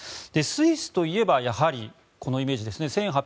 スイスといえば、やはりこのイメージですね。